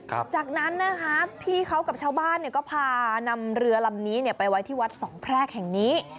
หลังจากนั้นพี่เขากับชาวบ้านก็พานำเรือลำนี้ไปไว้ที่วัดสองแพรกแห่งนี้